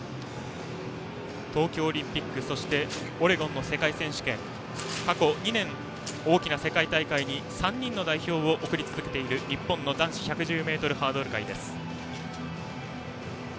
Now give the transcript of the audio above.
東京オリンピックそして、オレゴンの世界選手権過去２年、大きな世界大会に３人の代表を送り続けている日本の男子１１０ｍハードル界。